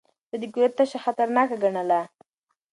ده د قدرت تشه خطرناکه ګڼله.